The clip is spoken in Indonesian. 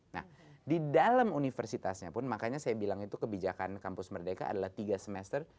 nah di dalam universitasnya pun makanya saya bilang itu kebijakan kampus merdeka adalah tiga semester